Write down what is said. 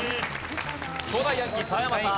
東大ヤンキー澤山さん。